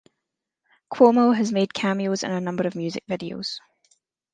Cuomo has made cameos in a number of music videos.